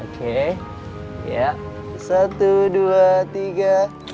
satu dua tiga